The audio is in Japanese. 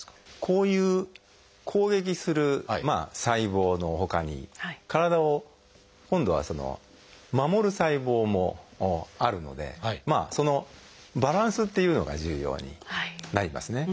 こういう攻撃する細胞のほかに体を今度は守る細胞もあるのでそのバランスというのが重要になりますね。